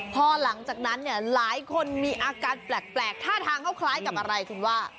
พอหลังจากนั้นเนี่ยหลายคนมีอาการแปลกท่าทางเขาคล้ายกับอะไรคุณว่า